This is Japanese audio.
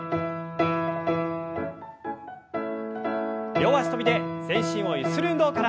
両脚跳びで全身をゆする運動から。